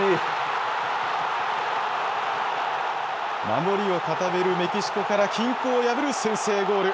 守りを固めるメキシコから均衡を破る先制ゴール。